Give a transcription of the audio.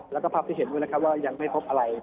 แล้วก็ภาพที่เห็นด้วยนะครับว่ายังไม่พบอะไร